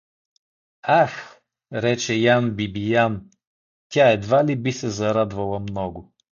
— Ах — рече Ян Бибиян, — тя едва ли би се зарадвала много.